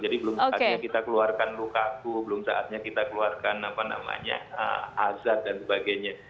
jadi belum saatnya kita keluarkan lukaku belum saatnya kita keluarkan apa namanya azad dan sebagainya